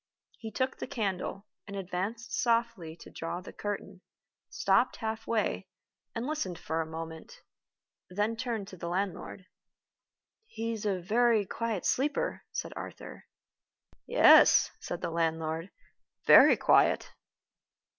He took the candle, and advanced softly to draw the curtain stopped half way, and listened for a moment then turned to the landlord. "He is a very quiet sleeper," said Arthur. "Yes," said the landlord, "very quiet."